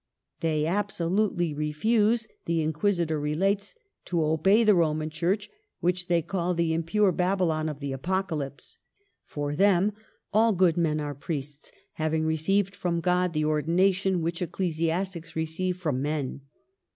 They absolutely refuse," the Inquisitor re lates, " to obey the Roman Church, which they call the impure Babylon of the Apocalypse. For them, all good men are priests, having re ceived from God the ordination which ecclesi astics receive from men.